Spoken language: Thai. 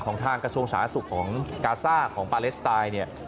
ทางกระทรวงสาธารณสุขของกาซ่าของปาเลสไตน์เนี่ย